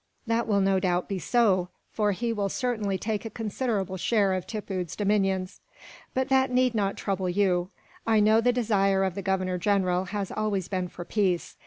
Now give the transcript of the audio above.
"That will no doubt be so, for he will certainly take a considerable share of Tippoo's dominions. But that need not trouble you. I know the desire of the Governor General has always been for peace.